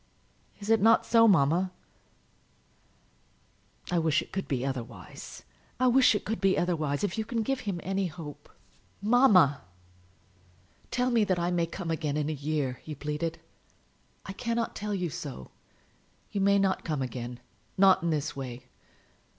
Is it not so, mamma?" "I wish it could be otherwise; I wish it could be otherwise! If you can give him any hope " "Mamma!" "Tell me that I may come again, in a year," he pleaded. "I cannot tell you so. You may not come again, not in this way.